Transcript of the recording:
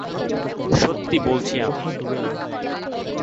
সত্যি বলছি আমি।